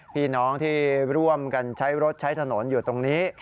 พี่น้องที่ร่วมกันใช้รถใช้ถนนอยู่ตรงนี้